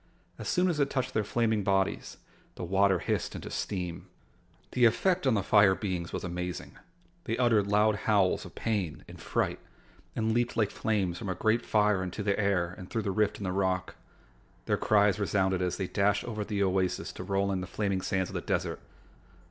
As soon as it touched their flaming bodies, the water hissed into steam. The effect on the fire beings was amazing. They uttered loud howls of pain and fright and leaped like flames from a great fire into the air and through the rift in the rock. Their cries resounded as they dashed over the oasis to roll in the flaming sands of the desert.